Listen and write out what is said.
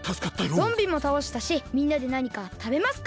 ゾンビもたおしたしみんなでなにかたべますか！